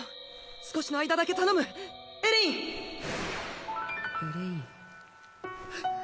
少しの間だけ頼むエレインエレイン？はっ！